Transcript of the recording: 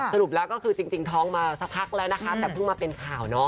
สรุปแล้วก็คือจริงท้องมาสักพักแล้วนะคะแต่เพิ่งมาเป็นข่าวเนาะ